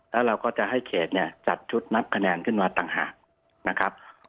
แล้วเราก็จะให้เขตเนี่ยจัดชุดนับคะแนนขึ้นมาต่างหากนะครับ